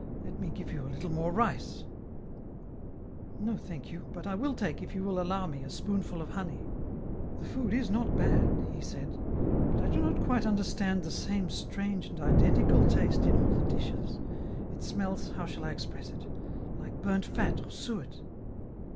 Let me give you a little more rice." EN ROUTE. l6l " No, thank you, but I will take, if you will allow me, a spoonful of honey. " The food is not bad," he said, " but I do not quite understand the same strange and identical taste in all the dishes ; it smells, how shall I express it ? like burnt fat or suet."